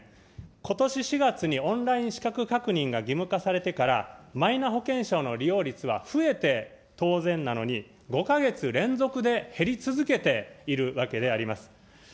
ことし４月にオンライン資格確認が義務化されてから、マイナ保険証の利用率は増えて当然なのに、５か月連続で減り続けているわけであります。